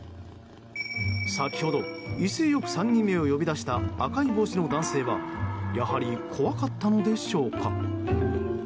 先ほど、威勢良く３人目を呼び出した赤い帽子の男性はやはり怖かったのでしょうか。